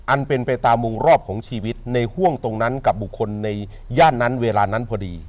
อันเป็นไปตามมุมรอบของชีวิตในห่วงตรงนั้นกับบุคคลในย่านนั้นเวลานั้นพอดี